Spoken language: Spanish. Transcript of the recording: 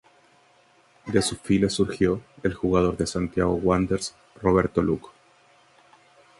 De sus filas surgió el jugador de Santiago Wanderers, Roberto Luco.